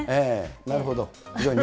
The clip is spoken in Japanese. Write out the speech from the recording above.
なるほど。